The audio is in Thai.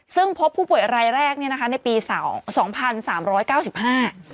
ซึ่งพบผู้ป่วยรายแรกเนี้ยนะคะในปีสองสองพันสามร้อยเก้าสิบห้า